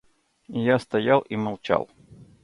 И я стоял и молчал.